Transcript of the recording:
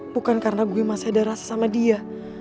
bukan karena gue masih ada rasa sama dia